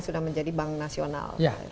sudah menjadi bank nasional